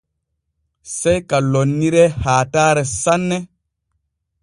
Sey ka lonniree haatare sanne.